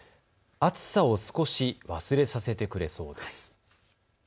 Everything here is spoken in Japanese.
暑さを少し忘れさせてくれそうです。